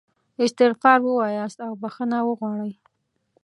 استغفار ووایاست او بخښنه وغواړئ.